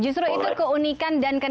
oke justru itu keunikan dan kenikmatan